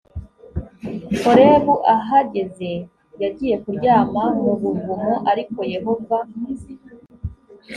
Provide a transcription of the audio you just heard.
horebu ahageze yagiye kuryama mu buvumo ariko yehova